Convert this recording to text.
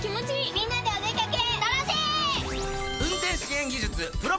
みんなでお出掛け。